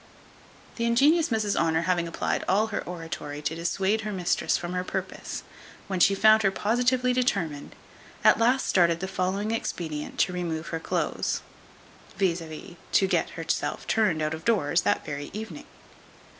The ingenious Mrs Honour having applied all her oratory to dissuade her mistress from her purpose, when she found her positively determined, at last started the following expedient to remove her clothes, viz., to get herself turned out of doors that very evening.